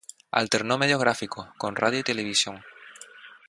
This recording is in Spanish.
Alternó medios gráficos, con radio y televisión.